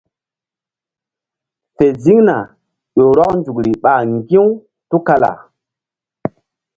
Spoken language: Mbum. Fe ziŋna ƴo rɔk nzukri ɓa ŋgi̧ u tukala.